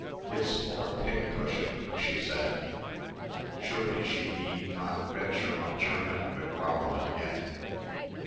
"It's for a pin cushion," she said. Surely she need not venture on German with Fräulein yet.